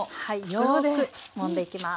よくもんでいきます。